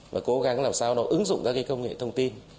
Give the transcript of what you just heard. và cố gắng làm sao nó ứng dụng ra cái công nghệ thông tin